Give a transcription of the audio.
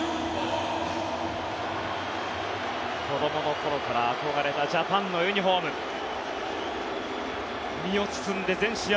子どもの頃から憧れたジャパンのユニホーム身を包んで全試合